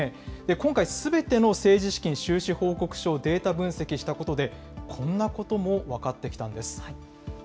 今回、すべての政治資金収支報告書をデータ分析したことで、こんなことも分かってきたんです。